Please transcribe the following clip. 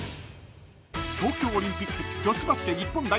［東京オリンピック女子バスケ日本代表